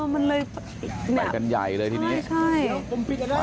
อ๋อมันเลยไปกันใหญ่เลยที่นี่ใช่ใช่